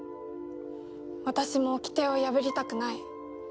私も掟を破りたくない。